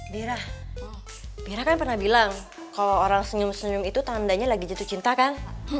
dira mira kan pernah bilang kalau orang senyum senyum itu tandanya lagi jatuh cinta kan